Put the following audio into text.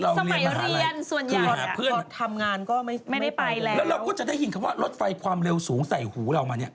เป็นนักเรียนทั้งนั้นสมัยเรียนมหาลัยคุณหาเพื่อนแล้วเราก็จะได้ยินคำว่ารถไฟความเร็วสูงใส่หูเรามาเนี่ย